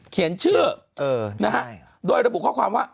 เขียนชื่อนะฮะโดยระบุข้อความว่า